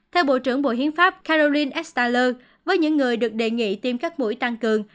theo bộ trưởng bộ hiến pháp caroline estaler với những người được đề nghị tiêm các mũi tăng cường